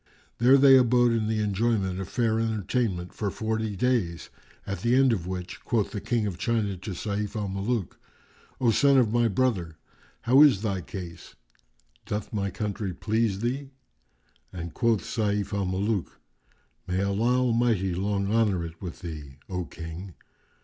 There they abode in the enjoyment of fair entertainment for forty days, at the end of which quoth the King of China to Sayf al Muluk, "O son of my brother, how is thy case[FN#396]? Doth my country please thee?"; and quoth Sayf al Muluk, "May Allah Almighty long honour it with thee, O King!"